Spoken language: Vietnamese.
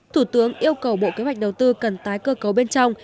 thủ tướng yêu cầu bộ kế hoạch đầu tư cần tái cơ cấu bên trong